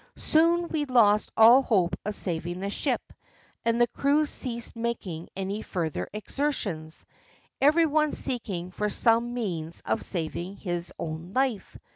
Soon we lost all hope of saving the ship, and the crew ceased making any further exertions, every one seeking for some means of saving his own life.